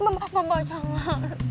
mbak mbak mbak jangan